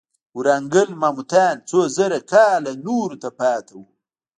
ورانګل ماموتان څو زره کاله نورو ته پاتې وو.